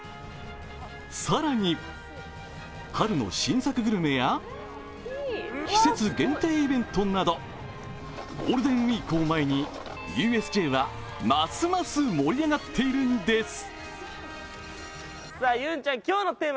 更に春の新作グルメや、季節限定イベントなどゴールデンウイークを前にＵＳＪはますます盛り上がっているんです。